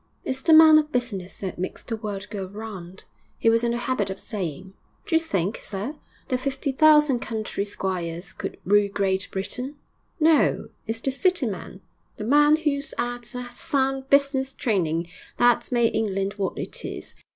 'It's the man of business that makes the world go round,' he was in the habit of saying. 'D'you think, sir, that fifty thousand country squires could rule Great Britain? No; it's the city man, the man who's 'ad a sound business training, that's made England what it is.